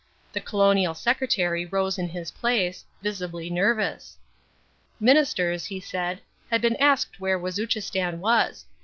The Colonial Secretary rose in his place, visibly nervous. Ministers, he said, had been asked where Wazuchistan was.